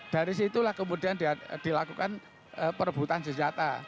dari situlah kemudian dilakukan perebutan senjata